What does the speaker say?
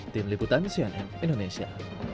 tim liputan cnn indonesia